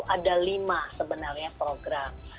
ada lima sebenarnya program